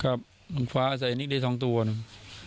ครับสูงฟ้าใส่อันนิกได้๒ตัวเนี่ย